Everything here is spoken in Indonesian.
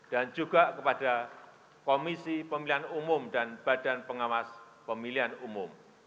dan juga kepada komisi pemilihan umum dan badan pengawas pemilihan umum